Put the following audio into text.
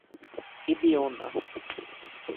Ibiúna